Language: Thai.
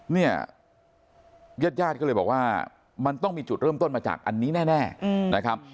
เนี่ยญาติญาติก็เลยบอกว่ามันต้องมีจุดเริ่มต้นมาจากอันนี้แน่นะครับ